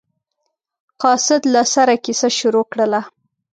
قاصد له سره کیسه شروع کړله.